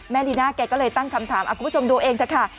ลีน่าแกก็เลยตั้งคำถามคุณผู้ชมดูเองเถอะค่ะ